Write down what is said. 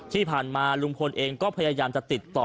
ที่ผ่านมาลุงพลเองก็พยายามจะติดต่อ